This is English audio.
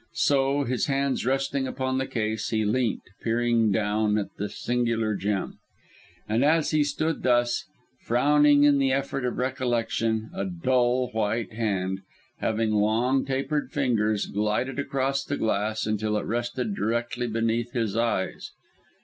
So, his hands resting upon the case, he leant, peering down at the singular gem. And as he stood thus, frowning in the effort of recollection, a dull white hand, having long tapered fingers, glided across the glass until it rested directly beneath his eyes.